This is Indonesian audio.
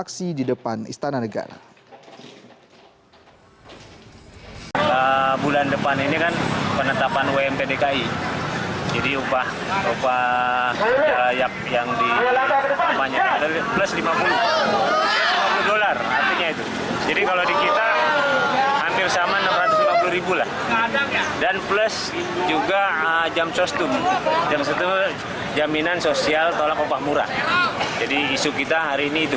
aksi di depan istana negara